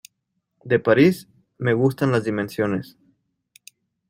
De París, me gustan las dimensiones.